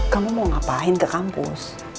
kamu mau ngapain ke kampus